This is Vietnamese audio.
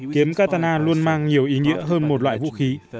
kiếm katana luôn mang nhiều ý nghĩa hơn một loại vũ khí